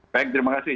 baik terima kasih